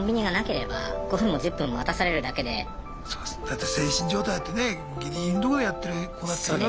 だって精神状態だってねギリギリのとこでやってる子だっているわけですから。